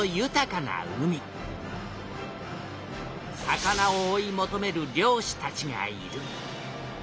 魚を追い求める漁師たちがいる。